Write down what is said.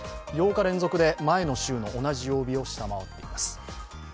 ８日連続で前の週の同じ曜日を下回っています。